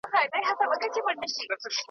په نامه د قاتلانو زړه ښاد نه كړي .